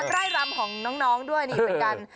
ไร่รำของน้องด้วยนี่เหมือนกัน